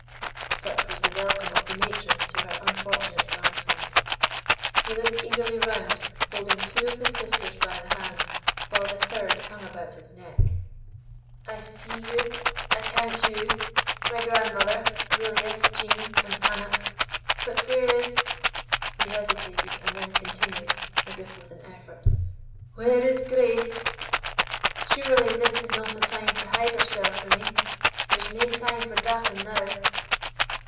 Such was the welcome of the matron to her unfortunate grandson. He looked eagerly round, holding two of his sisters by the hand, while the third hung about his neck "I see you I count you my grandmother, Lilias, Jean, and Annot; but where is " (he hesitated, and then continued, as if with an effort), "Where is Grace? Surely this is not a time to hide hersell frae me there's nae time for daffing now."